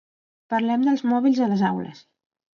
Parlem dels mòbils a les aules.